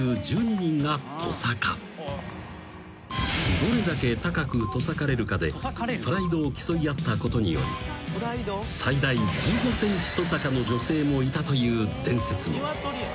［どれだけ高くトサカれるかでプライドを競い合ったことにより最大１５ｃｍトサカの女性もいたという伝説も］